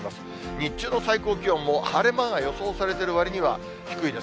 日中の最高気温も晴れ間が予想されてるわりには低いです。